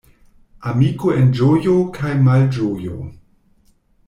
Amiko en ĝojo kaj malĝojo.